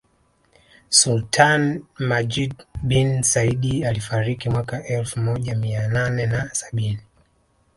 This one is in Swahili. Sultani Majid bin Said alifariki mwaka elfu moja Mia nane na sabini